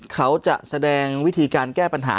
เขาจะแสดงวิธีการแก้ปัญหา